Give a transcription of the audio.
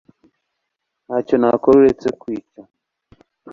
Ntacyo nakora uretse kwica